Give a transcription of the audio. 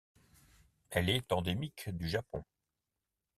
Elle est endémique du Japon.